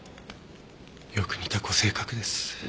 よく似たご性格です。